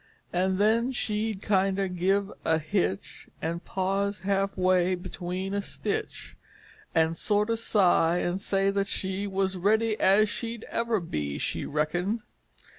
And then she'd kinder give a hitch, And pause half way between a stitch. And sorter sigh, and say that she Was ready as she'd ever be. She reckoned.